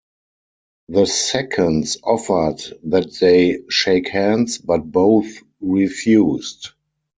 The seconds offered that they shake hands, but both refused.